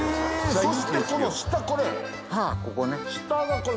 そしてこの下これ！